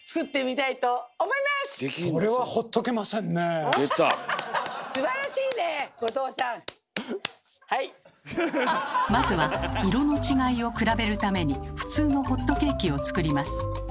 まずは色の違いを比べるために普通のホットケーキを作ります。